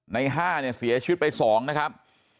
ใน๕เนี่ยเสียชีวิตไป๒นะครับ